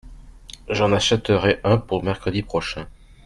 J’en achèterai un pour mercredi prochain.